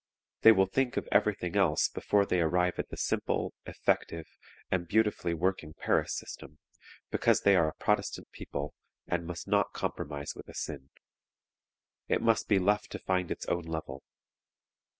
They will think of every thing else before they arrive at the simple, effective, and beautifully working Paris system, because they are a Protestant people and must not compromise with a sin. It must be left to find its own level.